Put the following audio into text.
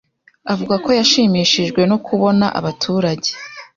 avuga ko yashimishijwe no kubona abaturage